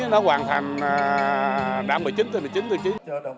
nó hoàn thành đảm một mươi chín một mươi chín tiêu chí